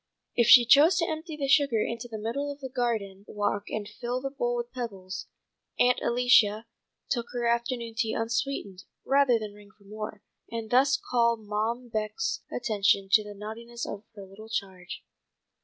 If she chose to empty the sugar into the middle of the garden walk and fill the bowl with pebbles, "Aunt Alicia" took her afternoon tea unsweetened, rather than ring for more, and thus call Mom Beck's attention to the naughtiness of her little charge.